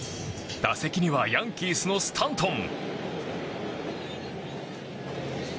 打席にはヤンキースのスタントン。